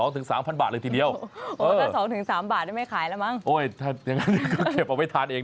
ถ้า๒๓บาทไม่ขายแล้วมั้ง